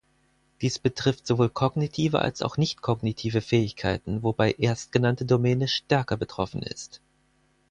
Dies betrifft sowohl kognitive als auch nicht-kognitive Fähigkeiten, wobei erstgenannte Domäne stärker betroffen ist.